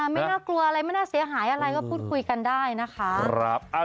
ไม่น่ากลัวอะไรไม่น่าเสียหายอะไรก็พูดคุยกันได้นะคะ